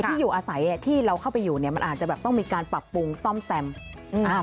ที่อยู่อาศัยที่เราเข้าไปอยู่มันอาจจะต้องปรับปรุงรายสร้าง